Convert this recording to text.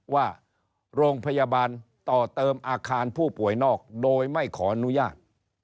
ว่าโรงพยาบาลต่อเติมอาคารผู้ป่วยนอกโดยไม่ขออนุญาต